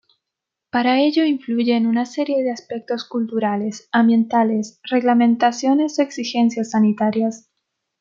Para ello influyen una serie de aspectos culturales, ambientales, reglamentaciones o exigencias sanitarias.